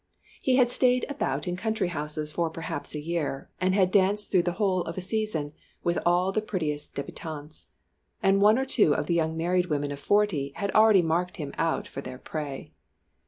He had stayed about in country houses for perhaps a year, and had danced through the whole of a season with all the prettiest débutantes. And one or two of the young married women of forty had already marked him out for their prey.